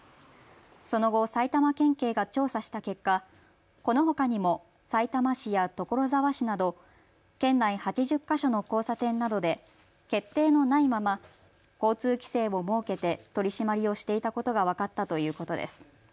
その後、埼玉県警が調査した結果、このほかにもさいたま市や所沢市など県内８０か所の交差点などで決定のないまま交通規制を設けて取締りをしていたことが分かったということです。